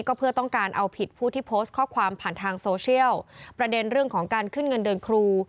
ก็เพื่อต้องการเอาผิดผู้ที่โพสต์ข้อความผ่านทางโซเชียลประเด็นเรื่องของการขึ้นเงินเดือนครู